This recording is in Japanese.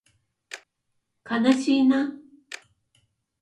かなしいな